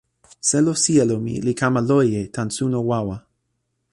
selo sijelo mi li kama loje tan suno wawa.